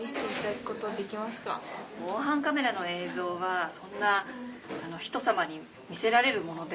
防犯カメラの映像はそんな人様に見せられるものではないので。